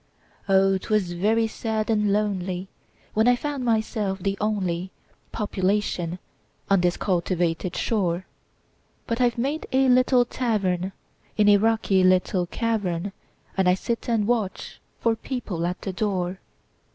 Oh! 'twas very sad and lonelyWhen I found myself the onlyPopulation on this cultivated shore; But I've made a little tavernIn a rocky little cavern, And I sit and watch for people at the door.